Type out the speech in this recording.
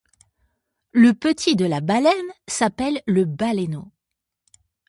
Le petit de la baleine s'appelle le baleineau.